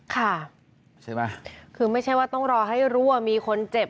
ค่ะใช่ไหมคือไม่ใช่ว่าต้องรอให้รั่วมีคนเจ็บ